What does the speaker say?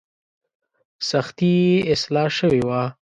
سختي یې اصلاح شوې وه.